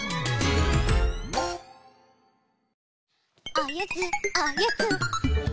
おやつおやつ！